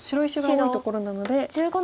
多いところなので。